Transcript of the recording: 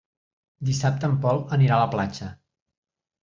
Dissabte en Pol anirà a la platja.